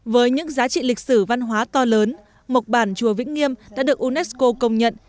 với những giá trị lịch sử văn hóa to lớn mộc bản chùa vĩnh nghiêm đã được unesco công nhận